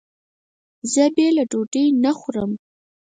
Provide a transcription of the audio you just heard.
زه بېله ډوډۍ نه خورم.